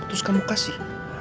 terus kamu kasih